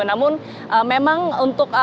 namun memang untuk